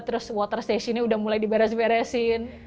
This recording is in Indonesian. terus water station nya udah mulai diberesin beresin